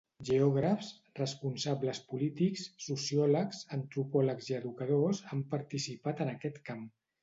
Geògrafs, responsables polítics, sociòlegs, antropòlegs i educadors han participat en aquest camp.